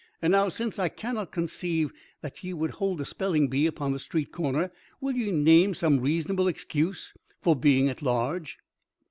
"And now since I cannot conceive that ye would hold a spelling bee upon the street corner, will ye name some reasonable excuse for being at large?"